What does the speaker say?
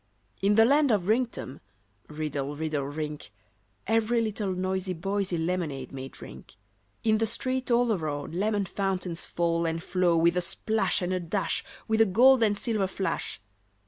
In the land of Rinktum, (Riddle, riddle, rink!) Every little noisy boysy Lemonade may drink. In the street, all a row, Lemon fountains fall and flow With a splash, and a dash, With a gold and silver flash.